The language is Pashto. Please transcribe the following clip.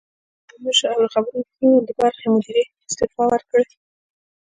عمومي مشر او د خبرونو د برخې مدیرې استعفی ورکړې